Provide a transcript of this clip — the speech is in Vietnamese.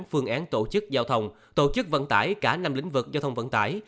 phương án tổ chức giao thông tổ chức vận tải cả năm lĩnh vực giao thông vận tải